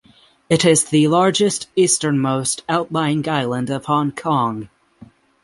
It is the easternmost outlying island of Hong Kong.